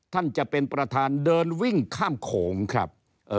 ท่านจะเป็นประธานเดินวิ่งข้ามโข่มครับ